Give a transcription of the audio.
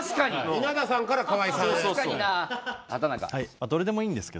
稲田さんから河井さんへ。